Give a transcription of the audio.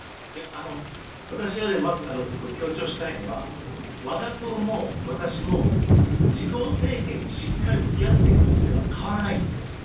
私が、まず強調したいのはわが党も私も自公政権にしっかり向き合っていくというのは変わらないんですよ。